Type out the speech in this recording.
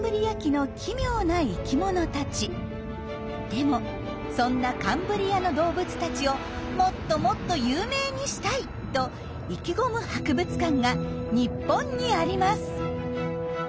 でもそんなカンブリアの動物たちを「もっともっと有名にしたい！」と意気込む博物館が日本にあります。